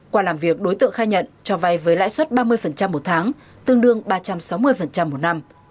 qua làm việc đối tượng khai nhận cho vay với lãi suất ba mươi một tháng tương đương ba trăm sáu mươi một năm